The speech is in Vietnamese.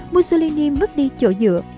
mussolini mất đi chỗ dựa